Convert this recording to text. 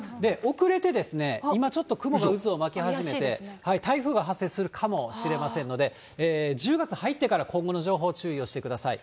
遅れて今ちょっと雲が渦を巻き始めて、台風が発生するかもしれませんので、１０月入ってから、今後の情報、注意をしてください。